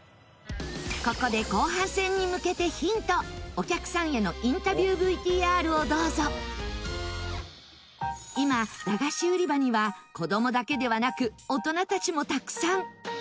ここで後半戦に向けてヒントお客さんへのインタビューＶＴＲをどうぞ今、駄菓子売り場には子供だけではなく大人たちもたくさん！